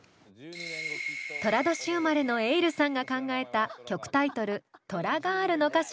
トラ年生まれのｅｉｌｌさんが考えた曲タイトル「トラガール」の歌詞が完成。